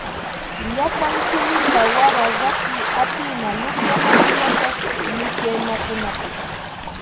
Llapa simipa manaña rakiy atina luqyanakunapas luqyanayuqkunapas